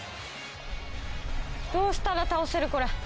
どうしたら倒せるこれ。